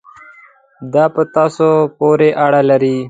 دا په تاسو پورې اړه لري.